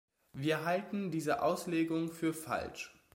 Wir halten diese Auslegung für falsch.